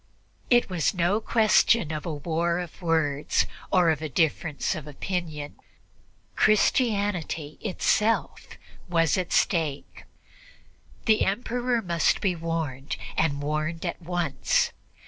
It was no question of a war of words or a difference of opinion Christianity itself was at stake; the Emperor must be warned, and warned at once.